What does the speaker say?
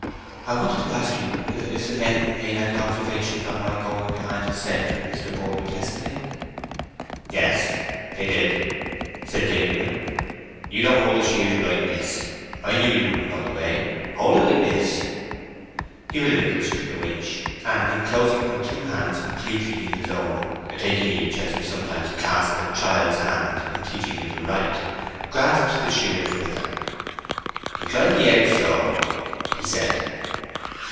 "I wanted to ask you if the men made any observations on my going behind the sedge with Mr. Boldwood yesterday?" "Yes, they did," said Gabriel. "You don't hold the shears right, miss—I knew you wouldn't know the way—hold like this." He relinquished the winch, and inclosing her two hands completely in his own (taking each as we sometimes slap a child's hand in teaching him to write), grasped the shears with her. "Incline the edge so," he said.